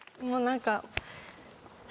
もう何か。